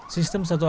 sistem satu arah